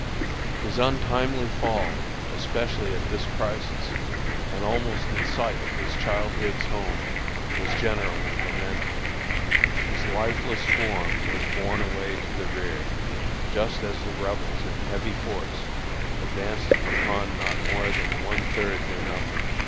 His untimely fall, especially at this crisis and almost in sight of his childhood's home, was generally lamented. His lifeless form was borne away to the rear just as the Rebels in heavy force advanced upon not more than one third their number.